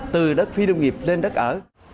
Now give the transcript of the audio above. từ đất phi nông nghiệp lên đất ở